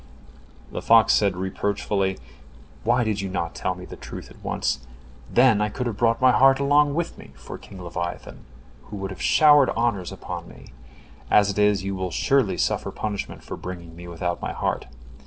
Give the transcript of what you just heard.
The fox said reproachfully: "Why did you not tell me the truth at once? Then I could have brought my heart along with me for King Leviathan, who would have showered honors upon me. As it is, you will surely suffer punishment for bringing me without my heart.